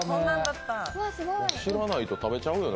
知らないと食べちゃうよね。